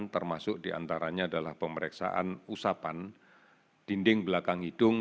termasuk diantaranya adalah pemeriksaan usapan dinding belakang hidung